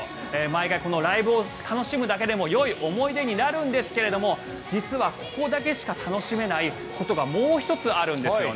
毎回このライブを楽しむだけでもよい思い出になるんですけれども実はここだけしか楽しめないことがもう１つあるんですよ。